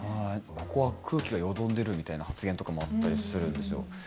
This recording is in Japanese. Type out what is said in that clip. ここは空気がよどんでるみたいな発言とかもあったりするんですよ。